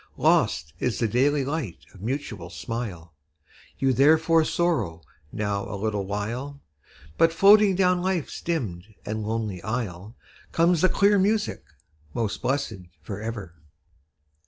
Lost is the daily light of mutual smile, You therefore sorrow now a little while; But floating down life's dimmed and lonely aisle Comes the clear music: 'Most blessed for ever!'